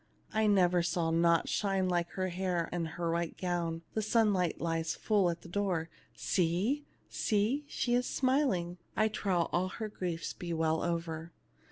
I never saw aught shine like her hair and her white gown ; the sunlight lies full in the door. See ! see ! she is smiling ! I trow all her griefs be well over."